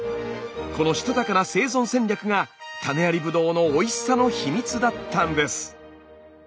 このしたたかな生存戦略が種ありブドウのおいしさの秘密だったんです。